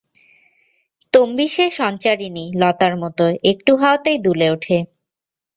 তম্বী সে সঞ্চারিণী লতার মতো, একটু হাওয়াতেই দুলে ওঠে।